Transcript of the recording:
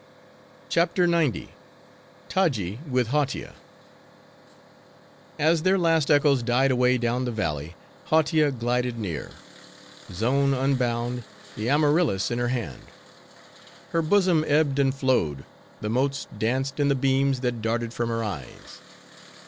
CHAPTER XC. Taji With Hautia As their last echoes died away down the valley, Hautia glided near;— zone unbound, the amaryllis in her hand. Her bosom ebbed and flowed; the motes danced in the beams that darted from her eyes.